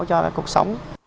cho cuộc sống